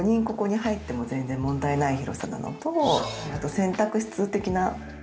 ここに入っても全然問題ない広さなのとあと洗濯室的な。